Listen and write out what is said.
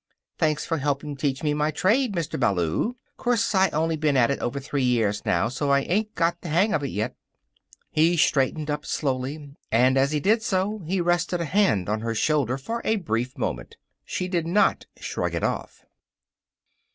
"Thanks for helping teach me my trade, Mr. Ballou. 'Course I only been at it over three years now, so I ain't got the hang of it yet." He straightened up slowly, and as he did so he rested a hand on her shoulder for a brief moment. She did not shrug it off.